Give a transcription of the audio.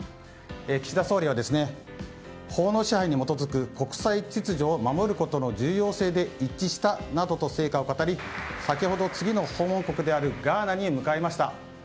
岸田総理は法の支配に基づく国際秩序を守ることの重要性で一致したなどと成果を語り先ほど、次の訪問国であるガーナに向かいました。